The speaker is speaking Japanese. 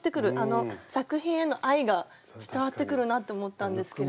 作品への愛が伝わってくるなって思ったんですけれども。